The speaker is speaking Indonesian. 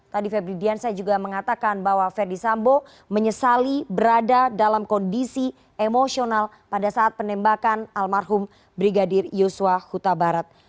tadi febri diansyah juga mengatakan bahwa ferdi sambo menyesali berada dalam kondisi emosional pada saat penembakan almarhum brigadir yosua huta barat